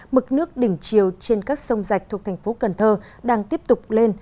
mực nước đỉnh chiều trên các sông rạch thuộc thành phố cần thơ đang tiếp tục lên